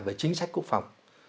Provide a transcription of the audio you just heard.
về chính sách quốc phòng